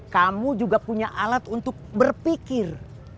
kamu juga punya alat untuk berpikir